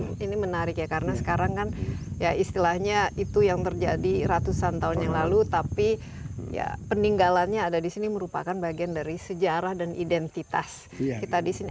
ini menarik ya karena sekarang kan ya istilahnya itu yang terjadi ratusan tahun yang lalu tapi ya peninggalannya ada di sini merupakan bagian dari sejarah dan identitas kita di sini